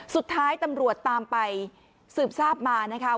สุดท้ายตำรวจตามไปสืบทราบมานะคะ